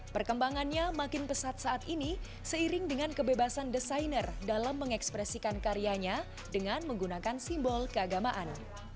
perkembangannya makin pesat saat ini seiring dengan kebebasan desainer dalam mengekspresikan karyanya dengan menggunakan simbol keagamaan